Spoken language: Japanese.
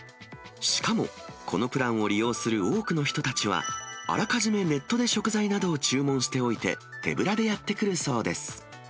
しかも、このプランを利用する多くの人たちは、あらかじめネットで食材などを注文しておいて、手ぶらでやって来るそうです。